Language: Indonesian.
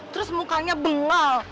terus mukanya bengal